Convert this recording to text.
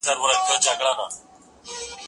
زه به سبا د کتابتون د کار مرسته کوم!؟